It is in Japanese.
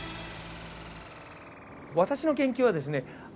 私の研究はですね